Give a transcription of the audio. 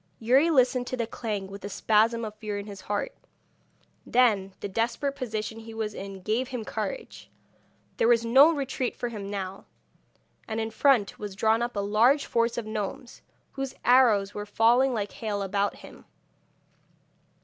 Youri listened to the clang with a spasm of fear in his heart; then the desperate position he was in gave him courage. There was no retreat for him now, and in front was drawn up a large force of gnomes, whose arrows were falling like hail about him.